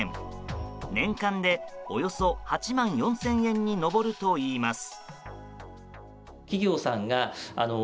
年間でおよそ８万４０００円に上るといいます。